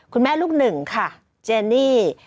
คุณแม่ลูกหนึ่งค่ะเจนี่